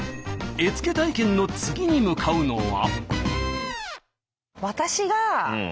絵付け体験の次に向かうのは？